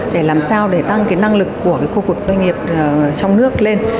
để làm sao để tăng cái năng lực của cái khu vực doanh nghiệp trong nước lên